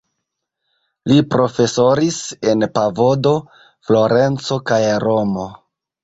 Li profesoris en Padovo, Florenco kaj Romo.